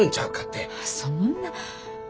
そんな。